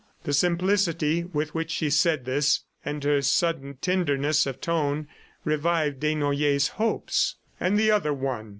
The simplicity with which she said this and her sudden tenderness of tone revived Desnoyers' hopes. "And the other one?"